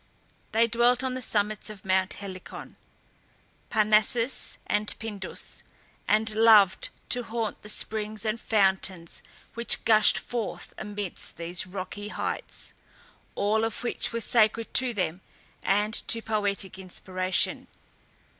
They dwelt on the summits of Mounts Helicon, Parnassus, and Pindus, and loved to haunt the springs and fountains which gushed forth amidst these rocky heights, all of which were sacred to them and to poetic inspiration.